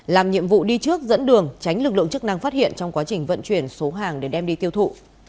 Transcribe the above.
làm nhiệm vụ đi trước dẫn đường tránh lực lượng chức năng phát hiện trong quá trình vận chuyển số hàng để đem đi tiêu thụ